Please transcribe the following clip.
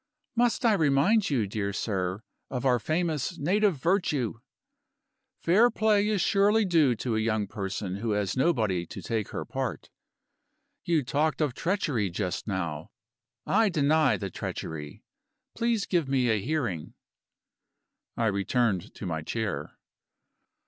"Must I remind you, dear sir, of our famous native virtue? Fair play is surely due to a young person who has nobody to take her part. You talked of treachery just how. I deny the treachery. Please give me a hearing." I returned to my chair.